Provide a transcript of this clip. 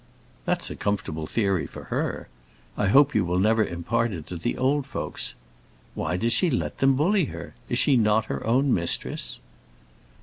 "That's a comfortable theory for her. I hope you will never impart it to the old folks. Why does she let them bully her? Is she not her own mistress?"